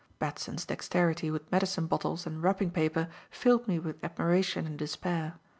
Batson's dexterity with medicine bottles and wrapping paper filled me with admiration and despair.